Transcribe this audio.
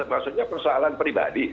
maksudnya persoalan pribadi